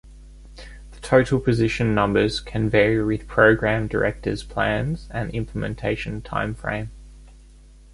The total position numbers can vary with program directors' plans and implementation time frame.